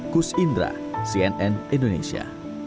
kus indra cnn indonesia